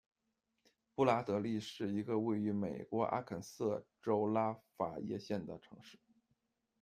布拉德利是一个位于美国阿肯色州拉法叶县的城市。